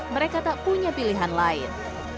mereka tak punya pilihan lain